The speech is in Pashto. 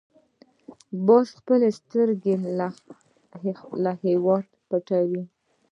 باز خپلې سترګې له هېواده پټوي